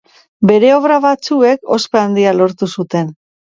Bere obra batzuek ospe handia lortu zuten.